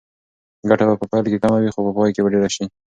ګټه به په پیل کې کمه وي خو په پای کې به ډېره شي.